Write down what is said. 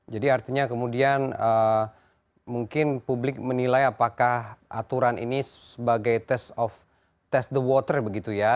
jadi artinya kemudian mungkin publik menilai apakah aturan ini sebagai test of the water begitu ya